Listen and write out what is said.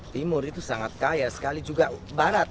timur itu sangat kaya sekali juga barat